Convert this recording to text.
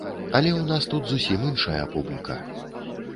Але ў нас тут зусім іншая публіка.